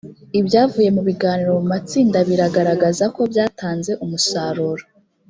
ibyavuye mu biganiro mu matsinda biragaragaza ko byatanze umusaruro